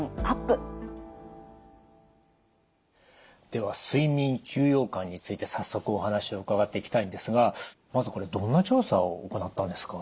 では睡眠休養感について早速お話を伺っていきたいんですがまずこれどんな調査を行ったんですか？